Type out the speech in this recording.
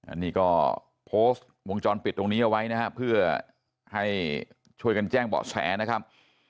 อันนี้ก็โพสต์วงจรปิดตรงนี้เอาไว้นะครับเพื่อให้ช่วยกันแจ้งเบาะแสนะครับ